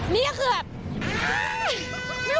นี่ก็คือแบบ